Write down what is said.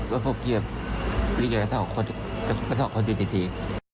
แล้วผมขี่แบบที่ไหนกระทอกคนอยู่ดี